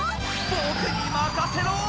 ボクにまかせろ！